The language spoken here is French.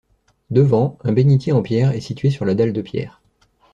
Devant, un bénitier en pierre est situé sur la dalle de pierre.